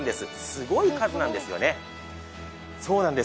すごい数なんですよね。